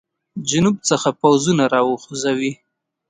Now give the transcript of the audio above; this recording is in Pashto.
جنوب څخه پوځونه را وخوځوي.